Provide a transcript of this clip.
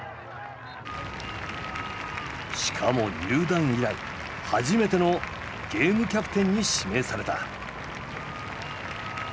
しかも入団以来初めてのゲームキャプテンに指名された。